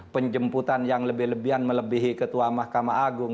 penjemputan yang lebih lebihan melebihi ketua mahkamah agung